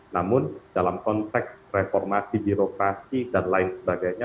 namun dalam konteks reformasi birokrasi dan lain sebagainya